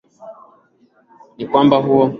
na kwamba huo hapatakuwa huo uwezekano hata kidogo